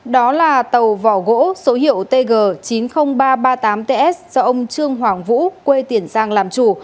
đó là tàu vỏ gỗ số hiệu tg chín mươi nghìn ba trăm ba mươi tám ts do ông trương hoàng vũ quê tiền giang làm chủ